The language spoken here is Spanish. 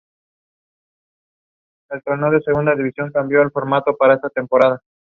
Es el cuarto elemento de los nueve de la serie Clone Wars.